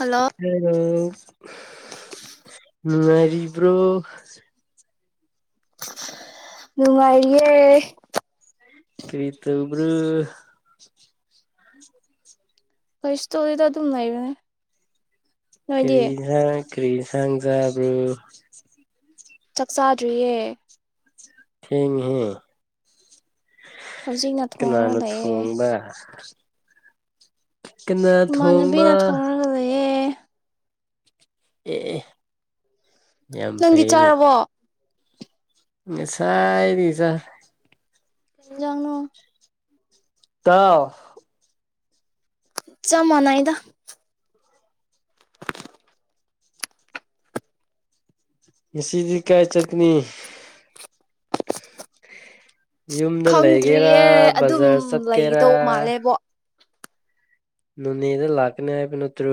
hello hello ꯅꯨꯡꯉꯥꯏꯔꯤꯕ꯭ꯔꯣ ꯅꯨꯡꯉꯥꯏꯔꯤꯌꯦ ꯀꯔꯤ ꯇꯧꯕ꯭ꯔꯣ ꯀꯩꯁꯨ ꯇꯣꯗꯦꯗ ꯑꯗꯨꯝ ꯂꯩꯕꯅꯦ ꯅꯣꯏꯗꯤ ꯀꯔꯤ ꯎꯟꯁꯥꯡ ꯀ꯭ꯔꯤ ꯏꯟꯁꯥꯡ ꯆꯥꯕ꯭ꯔꯣ ꯆꯥꯛꯆꯥꯥꯗ꯭ꯔꯤꯌꯦ ꯊꯦꯡꯉꯦꯍꯦ ꯍꯧꯖꯤꯛꯅ ꯊꯣꯡꯔꯒ ꯀꯅꯥꯅ ꯂꯩꯌꯦ ꯊꯣꯡꯕ ꯀꯅꯥ ꯊꯣꯡꯕ ꯌꯦ ꯑꯦ ꯌꯥꯝ ꯅꯪꯗꯤ ꯐꯩꯌꯦꯅꯦ ꯆꯥꯔꯕꯣ ꯉꯁꯥꯏꯗꯒꯤ ꯆꯥꯏ ꯀꯩ ꯏꯟꯖꯥꯡꯅꯣ ꯇꯥꯎ ꯆꯞ ꯃꯥꯟꯅꯩꯗ [inaudible] ꯉꯁꯤꯗꯤ ꯀꯥꯏ ꯆꯠꯀꯅꯤ ꯌꯨꯝꯗ ꯂꯩꯒꯦꯔꯥ ꯈꯪꯗ꯭ꯔꯤꯌꯦ ꯑꯗꯨꯝ ꯕꯖꯥꯔ ꯆꯠꯀꯦꯔꯥ ꯂꯩꯒꯗꯧ ꯃꯥꯜꯂꯦꯕꯣ ꯅꯣꯅꯦꯗ ꯂꯥꯛꯀꯅꯦ ꯍꯥꯏꯕ ꯅꯠꯇ꯭ꯔꯣ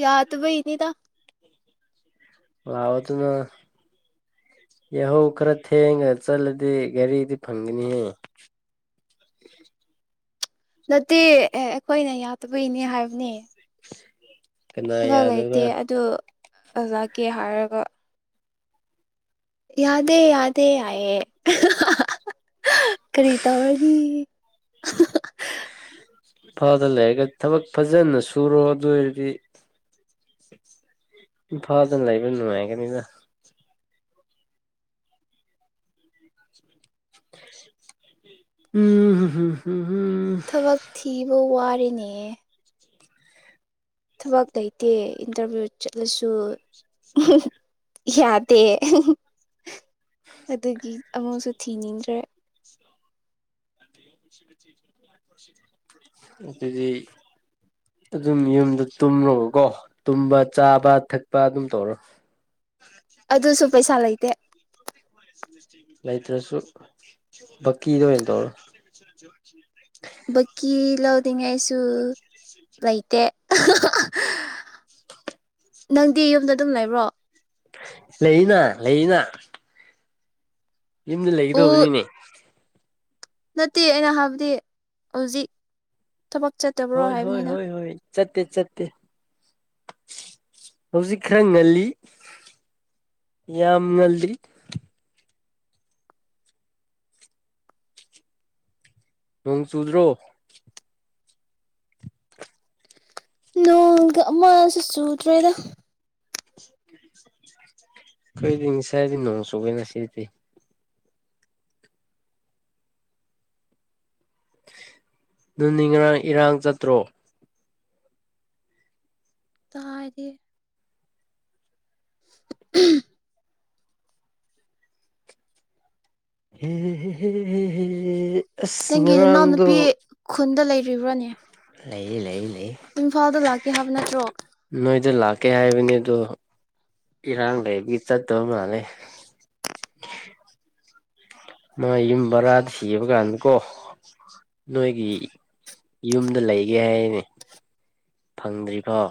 ꯌꯥꯗꯕꯩ ꯅꯤꯗ ꯂꯥꯛꯑꯣ ꯑꯗꯨꯅ ꯌꯥꯍꯧ ꯈꯔ ꯊꯦꯡꯉ ꯆꯠꯂꯗꯤ ꯒꯥꯔꯤꯗꯤ ꯐꯪꯒꯅꯤꯍꯦ ꯅꯠꯇꯦ ꯑꯦ ꯑꯩꯈꯣꯏꯅ ꯌꯥꯗꯕꯩꯅꯦ ꯍꯥꯏꯕꯅꯦ ꯀꯅꯥ ꯊꯕꯛ ꯂꯩꯇꯦ ꯌꯥꯗꯕ ꯑꯗꯨ ꯖꯀꯦ ꯍꯥꯏꯔꯒ ꯌꯥꯗꯦ ꯌꯥꯗꯦ ꯍꯥꯏꯌꯦ ꯀꯔꯤꯇꯧꯔꯅꯤ [unintelligible] ꯏꯝꯐꯥꯜꯗ ꯂꯩꯔꯒ ꯊꯕꯛ ꯐꯖꯅ ꯁꯨꯔꯣ ꯑꯗꯨ ꯑꯣꯏꯔꯗꯤ ꯏꯝꯐꯥꯜꯗ ꯂꯩꯕ ꯅꯨꯡꯉꯥꯏꯒꯅꯤꯅ ꯎꯝ ꯊꯕꯛ ꯊꯤ ꯄꯨꯋꯥꯔꯤꯅꯦ ꯊꯕꯛ ꯂꯩꯇꯦ ꯏꯟꯇꯔꯚꯤꯌꯨ ꯆꯠꯂꯁꯨ ꯌꯥꯗꯦ ꯑꯗꯨꯒꯤ ꯑꯃꯨꯛꯁꯨ ꯊꯤꯅꯤꯡꯗ꯭ꯔꯦ ꯑꯗꯨꯗꯤ ꯑꯗꯨꯝ ꯌꯨꯝꯗ ꯇꯨꯝꯂꯣꯕꯀꯣ ꯇꯨꯝꯕ ꯆꯥꯕ ꯊꯛꯄ ꯑꯗꯨꯝ ꯇꯧꯔꯣ ꯑꯗꯨꯁꯨ ꯄꯩꯁꯥ ꯂꯩ ꯇꯦ ꯂꯩꯇ꯭ꯔꯁꯨ ꯕꯛꯀꯤꯗ ꯑꯣꯏꯅ ꯇꯧꯔꯣ ꯕꯛꯀꯤ ꯂꯧꯅꯤꯡꯉꯥꯏꯁꯨ ꯂꯩꯇꯦ ꯅꯪꯗꯤ ꯌꯨꯝꯗ ꯑꯗꯨꯝ ꯂꯩꯕ꯭ꯔꯣ ꯂꯩꯅ ꯂꯩꯅ ꯌꯨꯝꯗ ꯑꯣ ꯂꯩꯒꯗꯧꯕꯅꯤꯅꯦ ꯅꯠꯇꯦ ꯑꯩꯅ ꯍꯥꯏꯕꯗꯤ ꯍꯧꯖꯤꯛ ꯊꯕꯛ ꯆꯠꯇꯕ꯭ꯔꯣ ꯍꯥꯏꯕꯅꯤꯗ ꯆꯠꯇ ꯆꯠꯇꯦ ꯍꯧꯖꯤꯛ ꯈꯔ ꯉꯜꯂꯤ ꯌꯥꯝ ꯉꯜꯂꯤ ꯅꯣꯡ ꯆꯨꯗ꯭ꯔꯣ ꯅꯣꯡꯗ ꯑꯃꯁꯨ ꯆꯨꯗ꯭ꯔꯦꯗ ꯈꯩꯗ ꯁꯥꯏꯗꯤ ꯅꯣꯡꯁꯨꯌꯦ ꯅꯁꯤꯗꯤ ꯅꯨꯡꯅꯤꯡ ꯉꯥꯔꯥꯡ ꯏꯔꯥꯡ ꯆꯠꯇ꯭ꯔꯣ ꯇꯥꯗꯦ ꯍꯦꯍꯦꯍꯦꯍꯦꯍꯦꯍꯦ ꯅꯪꯒꯤ ꯏꯅꯥꯎ ꯅꯨꯄꯤ ꯈꯨꯟꯗ ꯂꯩꯔꯤꯕ꯭ꯔꯥꯅꯦ ꯂꯩꯌꯦ ꯂꯩꯌꯦ ꯏꯝꯐꯥꯜꯗ ꯂꯥꯛꯀꯦ ꯍꯥꯏꯕ ꯅꯠꯇ꯭ꯔꯣ ꯑꯗꯨꯗ ꯂꯥꯛꯀꯦ ꯍꯥꯏꯕꯅꯤ ꯑꯗ‌ꯣ ꯏꯔꯥꯡ ꯂꯩꯕꯒꯤ ꯆꯠꯇꯕ ꯃꯥꯜꯂꯦ ꯃꯥꯏ ꯌꯨꯝ ꯕꯔꯥꯗ ꯊꯤꯕ ꯀꯥꯟꯗꯀꯣ ꯅꯣꯏꯒꯤ ꯌꯨꯝꯗ ꯂꯩꯒꯦ ꯍꯥꯏꯒ‌ꯦ ꯍꯥꯏꯅ‌ꯦ ꯐꯪꯗ꯭ꯔꯤꯐꯥꯎ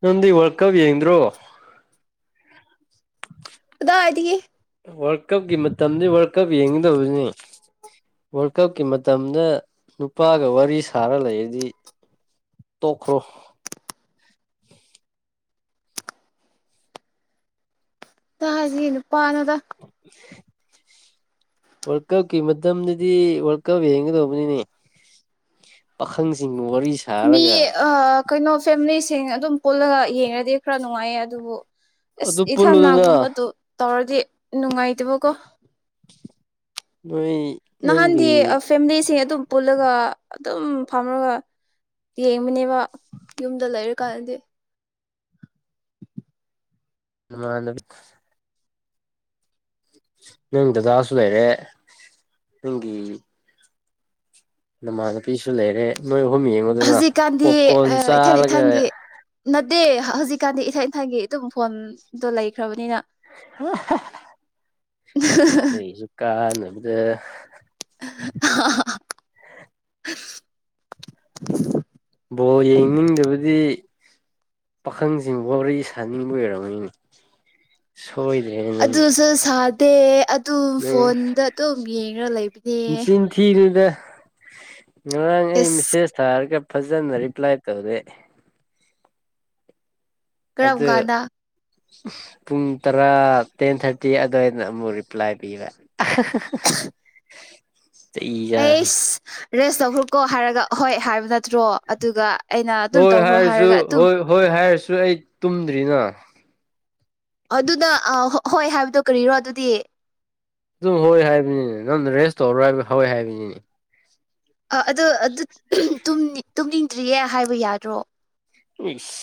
ꯅꯪꯗꯤ ꯋꯥꯜ ꯀꯕ ꯌꯦꯡꯗꯔꯣ ꯀꯗꯥꯥꯏꯗꯒꯤ ꯋꯥꯔꯜ ꯀꯞꯀꯤ ꯃꯇꯝꯗꯤ ꯋꯥꯔꯜ ꯀꯞ ꯌꯦꯡꯒꯗꯕꯅꯤ ꯋꯥꯔꯜ ꯀꯞꯀꯤ ꯃꯇꯝꯗ ꯅꯨꯄꯥꯒ ꯋꯥꯔꯤ ꯁꯥꯔ ꯂꯩꯔꯗꯤ ꯇꯣꯛꯈ꯭ꯔꯣ ꯀꯥꯏꯗ [unintelligible] ꯅꯨꯄꯥꯅ‌ꯣꯗ ꯋꯥꯔꯜ ꯀꯞꯀꯤ ꯃꯇꯝꯗꯗꯤ ꯋꯥꯔꯜ ꯀꯞ ꯌꯦꯡꯒꯗꯧꯕꯅꯤꯅꯦ ꯄꯥꯈꯪꯁꯤꯡ ꯋꯥꯔꯤ ꯃꯤ ꯁꯥꯔꯒ ꯀꯩꯅꯣ ꯐꯦꯝꯂꯤ ꯊꯦꯡꯅ ꯑꯗꯨꯝ ꯄꯨꯜꯂꯒ ꯌꯦꯡꯉꯗꯤ ꯈꯔ ꯅꯨꯡꯉꯥꯏꯌꯦ ꯑꯗꯨꯕꯨ ꯑꯁ ꯑꯗꯨ ꯄꯨꯜꯂꯨꯗꯅ ꯏꯊꯟꯅꯥꯒꯨꯝꯕꯗꯨ ꯇꯧꯔꯗꯤ ꯅꯨꯡꯉꯥꯏꯗꯕ ꯀꯣ ꯅꯣꯏ ꯅꯍꯥꯟꯗꯤ ꯅꯪꯒꯤ ꯐꯦꯃꯤꯂꯤꯁꯤ ꯑꯗꯨꯝ ꯄꯨꯜꯂꯒ ꯑꯗꯨꯝ ꯐꯝꯃꯒ ꯌꯦꯡꯕꯅꯦꯕ ꯌꯨꯝꯗ ꯂꯩꯔꯀꯥꯟꯗꯤ ꯃꯥꯃ ꯑꯗꯨ ꯅꯪ ꯗꯗꯥꯁꯨ ꯂꯩꯔꯦ ꯅꯪꯒꯤ ꯅ ꯃꯥꯅꯄꯤꯁꯨ ꯂꯩꯔꯦ ꯅꯣꯏ ꯑꯍꯨꯝ ꯌꯦꯡꯉꯨꯗꯅ ꯍꯧꯖꯤꯛꯀꯥꯟꯗꯤ ꯄꯣꯞꯀꯣꯔꯟ ꯏꯊꯟ ꯏꯊꯪꯒꯤ ꯆꯥꯔꯒ ꯅꯠꯇꯦ ꯍꯧꯖꯤꯛꯀꯥꯟꯗꯤ ꯏꯊꯟ ꯏꯟꯊꯥꯡꯒꯤ ꯑꯗꯨꯝ ꯐꯣꯟꯗꯣ ꯂꯩꯈ꯭ꯔꯕꯅꯤꯅ ꯀꯩ ꯁꯀꯥ ꯅꯗ ꯑ ꯕꯣꯜ ꯌꯦꯡꯅꯤꯡꯗꯕꯗꯤ ꯄꯥꯈꯪꯁꯤꯡ ꯋꯥꯔꯤ ꯁꯥꯅꯤꯡꯕ ꯑꯣꯏꯔꯝꯔꯕꯅꯤꯅꯦ ꯍꯣꯏꯗꯅꯤ ꯑ ꯑꯗꯨꯝ ꯐꯣꯟꯗ ꯑꯗꯨꯝ ꯌꯦꯡꯉ ꯂꯩꯕꯅꯦ ꯅꯆꯤꯟ ꯊꯤꯅꯨꯗ ꯉꯔꯥꯡ ꯑꯩ ꯑꯦꯁ ꯃꯦꯁꯦꯖ ꯊꯥꯔꯒ ꯐꯖꯅ ꯔꯤꯄ꯭ꯂꯥꯏ ꯇꯧꯔꯦ ꯀꯧ ꯑꯗꯨ ꯀꯥꯟꯗ ꯄꯨꯡ ꯇꯔꯥ ꯇꯦꯟ ꯊꯥꯔꯇꯤ ꯑꯗꯨꯋꯥꯏꯗ ꯑꯃꯨꯛ ꯔꯤꯄ꯭ꯂꯥꯏ ꯄꯤꯕ ꯆꯩ ꯆꯥꯅꯤ ꯑꯦꯁ ꯔꯦꯁ ꯆꯈ꯭ꯔꯨꯛꯀꯣ ꯍꯥꯏꯔꯒ ꯍꯣꯏ ꯍꯥꯏꯕ ꯅꯠꯇ꯭ꯔꯣ ꯑꯗꯨꯒ ꯑꯩꯅ ꯑꯗꯨꯝ ꯍꯣꯏ ꯇꯧꯈ꯭ꯔꯣ ꯍꯥꯏꯔꯁꯨ ꯍꯥꯏꯔꯒ ꯑꯗꯨꯝ ꯍꯣꯏ ꯍꯣꯏ ꯍꯥꯏꯔꯁꯨ ꯁꯨ ꯑꯩ ꯇꯨꯝꯗ꯭ꯔꯤꯅ ꯑꯗꯨꯗ ꯍꯣꯏ ꯍꯥꯏꯕꯗꯣ ꯀꯔꯤꯔꯣ ꯑꯗꯨꯗꯤ ꯑꯗꯨꯝ ꯍꯣꯏ ꯍꯥꯏꯕꯅꯤꯅꯦ ꯅꯪ ꯔꯦꯁ ꯇꯧꯔ ꯍꯥꯏꯕ ꯍꯏ ꯍꯥꯏꯕꯅꯤꯅꯦ ꯑ ꯑꯗꯨ ꯇꯨꯝꯅꯤꯡꯗ꯭ꯔꯤꯌꯦ ꯍꯥꯏꯕ ꯌꯥꯗ꯭ꯔꯣ ꯏꯁ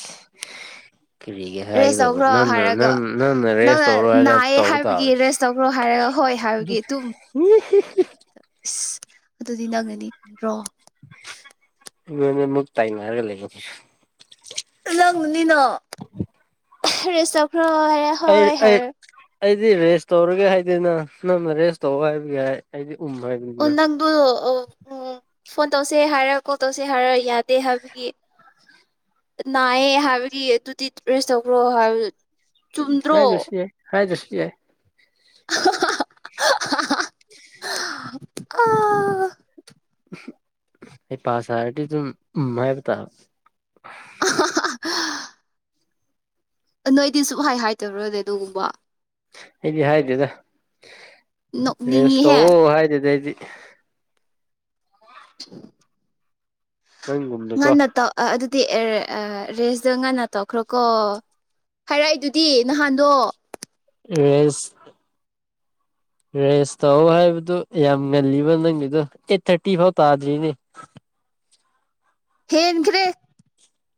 ꯀꯔꯤꯒꯦ ꯔꯦꯁ ꯍꯥꯏꯒꯗꯧꯕ ꯇꯧꯈ꯭ꯔꯣ ꯅꯅ ꯅ ꯍꯥꯏꯔꯒ ꯅꯪꯅ ꯔꯦꯁ ꯇꯧꯔꯣ ꯍꯥꯏꯒ ꯅꯥꯏꯌꯦ ꯇꯧꯕ ꯍꯥꯏꯕꯒꯤ ꯇꯥꯕꯅꯤ ꯔꯦꯁ ꯇꯧꯈ꯭ꯔꯣ ꯍꯥꯏꯔꯒ ꯍꯣꯏ ꯍꯥꯏꯕꯒꯤ ꯑꯗꯨꯝ ꯏꯁ ꯑꯗꯨꯗꯤ ꯅꯪꯅꯤ ꯕ꯭ꯔꫭ ꯑꯩꯉꫭꯟꯗ ꯃꯨꯛ ꯇꯥꯏꯅꯔꯒ ꯂꯩꯌꯦꯅꯦ ꯂꯪ ꯅꯤꯅ ꯑꯍ ꯔꯦꯁꯞ ꯍꯣꯏ ꯑꯩ ꯍꯣꯏ ꯑꯩ ꯍꯔ ꯑꯩꯗꯤ ꯔꯦꯁ ꯇꯧꯔꯒꯦ ꯍꯥꯏꯗꯦꯅ ꯅꯪꯅ ꯔꯦꯁ ꯇꯧ ꯍꯥꯏꯕꯒꯤ ꯍꯥꯏ ꯑꯩꯗꯤ ꯎꯝ ꯑꯣ ꯍꯥꯏꯕꯅꯤꯅ ꯅꯪꯗꯨ ꯑꫭ ꯑꫭ ꯐꯣꯟ ꯇꯧꯁꯦ ꯍꯥꯏꯔ ꯀꯣꯜ ꯇꯧꯁꯦ ꯍꯥꯏꯔ ꯌꯥꯗꯦ ꯍꯥꯏꯕꯒꯤ ꯅꯥꯏꯌꯦ ꯍꯥꯏꯕꯒꯤ ꯑꯗꯨꯗꯤ ꯔꯦꯁ ꯇꯧꯈ꯭ꯔꯣ ꯍꯥꯏ ꯍꯥꯏꯗ꯭ꯔꯁꯨ ꯌꯥꯏ ꯍꯥꯏꯗ꯭ꯔꯁ ꯌꯥꯏ ꯑꯍ ꯍꯥꯍꯥ [inaudible] ꯑꯥ ꯍꯩꯄꯥꯁꯥꯔꯗꯤ ꯗꯨꯝ ꯎꯝ ꯍꯥꯏꯕ ꯇꯥꯕ ꯑꯍ ꯍꯥ ꯍꯥ ꯅꯣꯏꯗꯤ ꯁꯨꯛꯍꯥꯏ ꯍꯥꯏꯗꯕ꯭ꯔꯅꯦ ꯑꯗꯨꯒꯨꯝꯕ ꯑꯩꯗꯤ ꯍꯥꯏꯗꯦꯗ ꯅꯣꯛꯅꯤꯡꯉꯤꯍꯦ ꯔꯦꯁꯇꯧꯑꯣ ꯍꯥꯏꯗꯦꯗ ꯑꯩꯗꯤ [inaudible] ꯅꯪꯒꯨꯝꯅꯀꯣ ꯉꯟ ꯅꯠꯇ ꯑꯗꯨ ꯑꯗꯨꯗꯤ ꯑꯦꯔ ꯑ ꯔꯦꯁꯇꫭ ꯉꯟꯅ ꯇꯧꯈ꯭ꯔꯣꯀꯣ ꯍꯥꯏꯔꯛꯏ ꯗꯨꯗꯤ ꯅꯍꯥꯟꯗꯣ ꯔꯦꯁ ꯔꯦꯁ ꯇꯧ ꯍꯥꯏꯕꯗꯨ‌ ꯌꯥꯝ ꯉꯜꯂꯤꯕ ꯅꯪꯒꯤꯗꫭ ꯑꯩꯠ ꯊꯥꯔꯇꯤ ꯐꯥꯎ ꯇꯥꯗ꯭ꯔꯤꯅꯦ ꯍꯦꯟ ꯈ꯭ꯔꯦ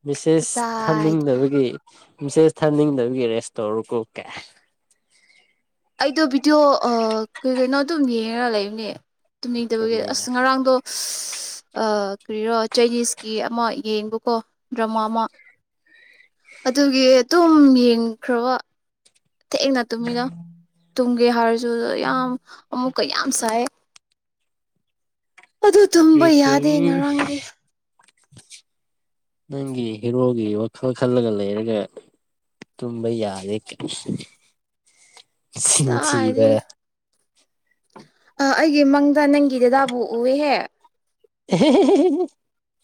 ꯃꯤꯁꯦꯁ ꯊꯥꯅꯤꯡꯗꯕꯒꯤ ꯃꯤꯁꯦꯁ ꯊꯥꯅꯤꯡꯗꯕꯒꯤ ꯔꯦꯁ ꯇꯧꯔꯣ ꯀꯣ ꯀꯥꯏꯅ ꯑꯩꯗꯣ ꯚꯤꯗꯤꯑꯣ ꯑ ꯀꯩ ꯀꯩꯅꯣ ꯑꯗꯨꯝ ꯌꯦꯡꯔ ꯂꯩꯕꯅꯦ ꯇꯨꯝꯅꯤꯡꯗꯕꯒꯤ ꯀꯥꯏꯅ ꯑꯁ ꯉꯔꯥꯡꯗꯣ ꯀꯔꯤꯔꯣ ꯆꯥꯏꯅꯤꯁꯀꯤ ꯑꯃ ꯌꯦꯡꯕꯀꯣ ꯗ꯭ꯔꯃꯥ ꯑꯃ ꯑꯗꯨꯒꯤ ꯑꯗꯨꯝ ꯌꯦꯡꯈ꯭ꯔꯕ ꯊꯦꯡꯅ ꯇꯨꯃꯤꯗ ꯇꯨꯝꯒꯦ ꯍꯥꯏꯔꯁꯨ ꯌꯥꯝ ꯑꯃꯨꯛ ꯀꯌꯥꯝ ꯁꯥꯌꯦ ꯑꯗꯨ ꯇꯨꯝꯕ ꯀꯔꯤ ꯌꯥꯗꯦ ꯇꯧꯔꯤ ꯉꯔꯥꯡꯗꯤ ꯅꯪꯒꯤ ꯍꯦꯔꯣꯒꯤ ꯋꯥꯈꯜ ꯈꯜꯂꯒ ꯂꯩꯔꯒ ꯇꯨꯝꯕ ꯌꯥꯔꯦ ꯀ ꯇꯥꯏꯗꯤ ꯁꯤꯟꯊꯤꯕ [inaudible] ꯑꯩꯒꯤ ꯃꯪ ꯑ ꯅꯪꯒꯤ ꯗꯦꯗꯥꯕꯨ ꯎꯑꯦꯍꯦ [unintelligible]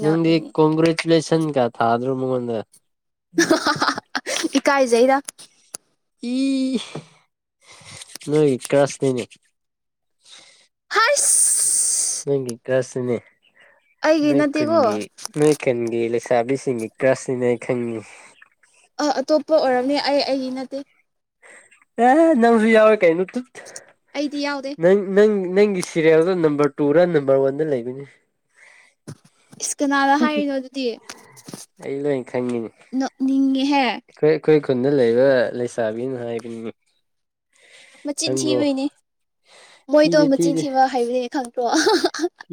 ꯅꯪꯒꯤ ꯅꯣꯛꯏꯅꯦ ꯀꯣꯡꯒ꯭ꯔꯦꯁ ꯅ ꯏꯟ ꯀ ꯊꯥꯗ꯭ꯔꯣ ꯃꯉꯣꯟꯗ ꯎꯝ ꯏꯀꯥꯏꯖꯩꯗ ꯏ ꯅꯣꯏ ꯀ꯭ꯂꯥꯁ ꯅ‌ꯦꯅꯦ ꯍꯁ ꯅꯪꯒꯤ ꯀꯥꯁ ꯅꯤꯅ‌ꯦ ꯑꯩꯒꯤ ꯅꯣꯏ ꯅꯠꯇꯦꯀꯣ ꯈꯨꯟꯒꯤ ꯅꯣꯏꯈꯨꯟꯒꯤ ꯆꯥꯕꯤꯁꯤꯡꯅꯤ ꯀ꯭ꯔꯁꯅꯤꯅꯦ ꯑꯩ ꯈꯪꯉꯤ ꯑꯥ ꯑꯇꯣꯞꯄ ꯑꯣꯏꯔꯝꯅꯦ ꯑꯩ ꯑꯩꯒꯤ ꯅꯠꯇꯦ ꯑ ꯅꯪꯁꯨ ꯌꯥꯎꯦ ꯀꯥꯏꯅꯠꯇ ꯑꯩꯗꯤ ꯌꯥꯎꯗꯦ ꯅꯪ ꯅꯪ ꯅꯪꯒꯤ ꯁꯤꯦꯔꯤꯦꯜꯗꯣ ꯅꯝꯕꯔ ꯇꯨꯔ ꯅꯝꯕꯔ ꯋꯥꯟꯗ ꯂꯩꯕꯅꯤ ꯏꯁꯀꯅꯥꯅ ꯍꯥꯏꯔꯤꯅꯣ ꯑꯗꯨꯗꯤ ꯑꯩ ꯂꯣꯏ ꯈꯪꯉꯤꯅꯤ ꯅ ꯅꯤꯡꯉꯦ ꯍꯦ ꯑꯩꯈꯣꯏ ꯑꯩꯈꯣꯏ ꯈꯨꯟꯗ ꯂꯩꯕ ꯂꯩꯁꯥꯕꯤꯅ ꯍꯥꯏꯕꯅꯤ ꯃꯆꯤꯟ ꯈꯪꯕ꯭ꯔꯣ ꯊꯤꯕꯩꯅꯦ ꯃꯣꯏꯗꯣ ꯃꯆꯤꯟ ꯊꯤꯕ ꯍꯥꯏꯕꯅꯤ ꯈꯪꯗꯦ ꯇꯣ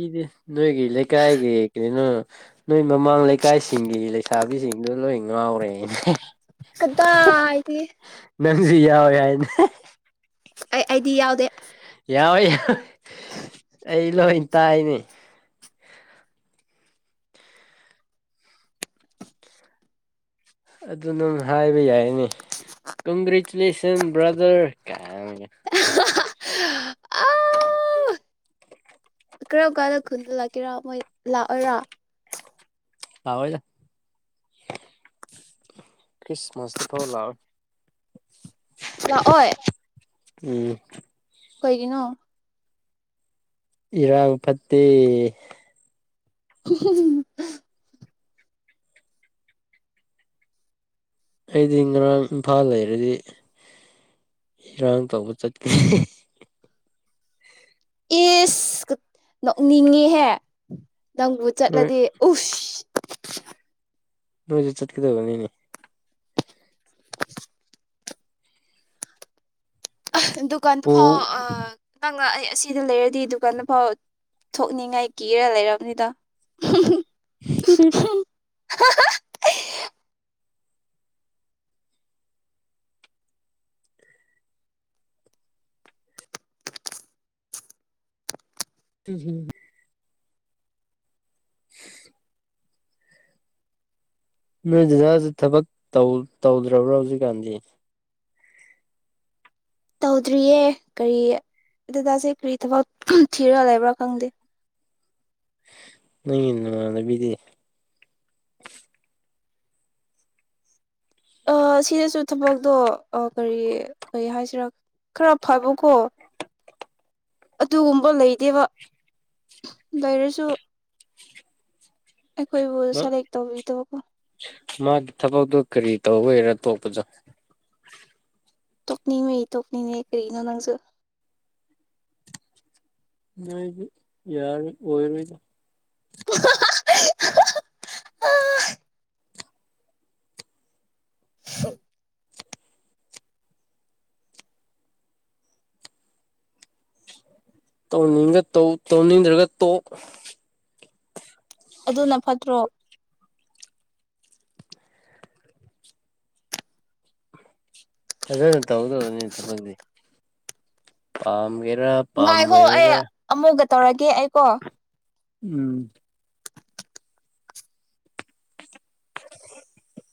ꯏꯗꯤꯦ ꯅꯣꯏꯒ ꯏ ꯂꯩꯦ ꯀꯥꯏꯑꯦ ꯌꯦꯅꯤꯅ [unintelligible] ꯅꯣꯏ ꯃꯃꯥꯡ ꯂꯩꯀꯥꯏꯁꯤꯡꯒꯤ ꯂꯩ ꯄ ꯁꯥꯥꯕꯤꯁꯤꯡꯗꯣ ꯂꯣꯏ ꯉꯥꯎꯔꯦꯅꯦ ꯍꯗ ꯍꯥꯏꯗꯤ ꯅꯪꯁꯤ ꯌꯥꯎ ꯍꯥꯏꯏꯅꯦ ꯑꯩ ꯑꯩꯗꯤ ꯌꯥꯎꯗꯦ ꯌꯥꯎꯋꯦ ꯌꯥꯦ ꯑꯩ ꯂꯣꯏ ꯇꯥꯏꯅꯦ ꯑꯗꯨ ꯅ ꯍꯥꯏꯕ ꯌꯥꯏꯅꯤ ꯀꯣꯡꯒ꯭ꯔꯦꯆꯨꯂꯦꯁꯟ ꯕ꯭ꯔꯥꯗꯔ ꯑ ꯑ ꯀꯔꯝ ꯀꯥꯟꯗ ꯈꯨꯜꯗ ꯂꯥꯛꯀꯦꯔꯥ ꯃꯣꯏ ꯂꯥꯛꯑꯣꯏꯔꯥ ꯑꯣꯏꯗ ꯀꯤꯁꯃꯁꯇ ꯐꯥꯎ ꯂꯑꯣ ꯆ ꯑꯣ ꯎꯝ ꯀꯩꯒꯤꯅꯣ ꯏꯔꯥ ꯐꯠꯇꯤ [unintelligible] ꯑꯩꯗꯤ ꯉꯔꯥꯡ ꯏꯝꯐꯥꯜ ꯂꯩꯔꯗꯤ ꯏꯔꯥꯡ ꯇꯧꯕ ꯆꯠꯀꯦ ꯑꯦꯁ ꯅꯣꯛꯅꯤꯡꯉꯦꯍꯦ ꯅꯪꯕꯨ ꯅꯣꯏ ꯆꯠꯂꯗꯤ ꯎꯁ [unintelligible] ꯅꯣꯏꯖ ꯆꯠꯈꯤꯗꯧꯕ ꯅꯅꯦ ꯗꯨꯀꯥꯟꯗꯨ ꯄꯨ ꯐꯥꯎꯈꯤꯪ ꯑꯩ ꯑꯁꯤꯗ ꯂꯩꯔꯗꯤ ꯗꯨꯀꯥꯟꯗꯐꯥꯎ ꯊꯣꯛꯅꯤꯡꯉꯥꯏ ꯀꯤꯔ ꯂꯩꯔꯕꯅꯤꯗ ꯎ [unintelligible] ꯎꯝꯨꯝ [unintelligible] ꯅꯣꯏ ꯖꯖꯥꯁꯤ ꯊꯕꯛ ꯇꯧꯗ꯭ꯔꯕ꯭ꯔꯥ ꯍꯧꯖꯤꯛꯀꯥꯟꯗꯤ ꯇꯧꯗ꯭ꯔꯤꯌꯦ ꯀꯔꯤ ꯗꯗꯥꯁꯦ ꯀꯔꯤ ꯊꯕꯛ ꯊꯤꯔꯒ ꯂꯩꯕ꯭ꯔꯥ ꯈꯪꯗꯦ ꯅꯅꯕꯤꯗꯤ ꯁꯤꯗꯁꯨ ꯊꯕꯛꯇꯣ ꯀꯔꯤ ꯀꯩ ꯍꯥꯏꯁꯤꯔꯥ ꯈꯔ ꯐꯕꯀꯣ ꯑꯗꯨꯒꯨꯝꯕ ꯂꯩꯗꯦꯕ ꯂꯩꯔꯁꯨ ꯑꯩꯈꯣꯏꯕꯨ ꯁꯂꯦꯛ ꯇꯧꯕꯤꯗꯕꯀꯣ ꯃꯥꯒꯤ ꯊꯕꯛꯇꯣ ꯀꯔꯤ ꯇꯧꯕꯦꯔꯥ ꯇꯣꯛꯄꯁꯨ ꯇꯣꯛꯀꯅꯤ ꯃꯔꯤ ꯇꯣꯛꯀꯅꯤꯅꯦ ꯀꯔꯤꯅꯅꯁꯨ ꯅꯣꯏꯗꯤ ꯌꯥꯔ ꯑꯣꯏꯣꯏꯔꯗ [unintelligible] ꯁꯨ ꯇꯧꯅꯤꯡ ꯇꯧꯅꯤꯡꯗ꯭ꯔꯒ ꯇꯣꯛ ꯑꯗꯨꯅ ꯐꯠꯇ꯭ꯔꯣ ꯑꯗꯨ ꯅ ꯇꯧꯗꯣꯅꯤ ꯆꯄꯦ ꯄꯝꯒꯦꯔ ꯉ ꯍꯣ ꯑꯩ ꯑꯃꯃꯣꯒ ꯇꯧꯔꯒꯦ ꯑꯩꯀꯣ ꯎꯝ [unintelligible]